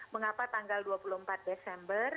mengapa tanggal dua puluh empat desember